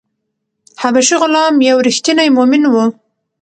حبشي غلام یو ریښتینی مومن و.